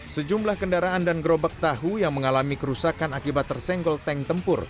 sejumlah kendaraan dan gerobak tahu yang mengalami kerusakan akibat tersenggol tank tempur